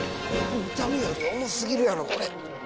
見た目より重過ぎるやろこれ。